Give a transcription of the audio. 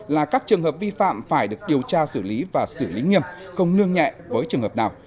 là các trường hợp vi phạm phải được điều tra xử lý và xử lý nghiêm không lương nhẹ với trường hợp nào